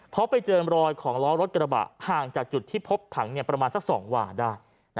เพราะไปเจอรอยของล้อรถกระบะห่างจากจุดที่พบถังประมาณสัก๒หวาได้